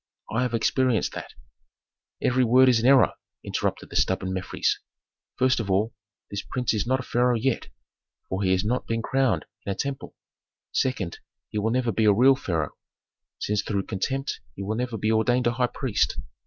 I have experienced that " "Every word is an error," interrupted the stubborn Mefres. "First of all, this prince is not the pharaoh yet, for he has not been crowned in a temple. Second, he will never be a real pharaoh, since through contempt he will never be ordained a high priest.